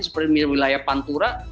seperti wilayah pantura